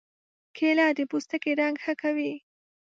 کېله د پوستکي رنګ ښه کوي.